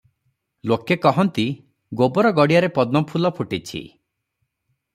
ଲୋକେ କହନ୍ତି, ଗୋବର ଗଡ଼ିଆରେ ପଦ୍ମଫୁଲ ଫୁଟିଛି ।